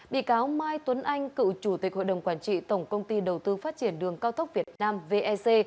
bị cáo mai tuấn anh cựu chủ tịch hội đồng quản trị tổng công ty đầu tư phát triển đường cao tốc việt nam vec